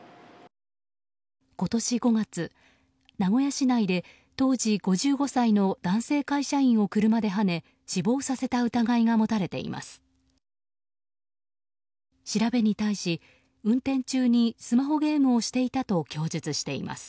今年５月、名古屋市内で当時５５歳の男性会社員を車ではね死亡させた疑いが持たれています。